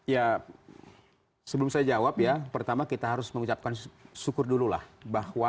ya sebelum saya jawab ya pertama kita harus mengucapkan syukur dulu lah bahwa